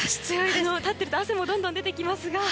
立っていると汗もどんどん出てきます。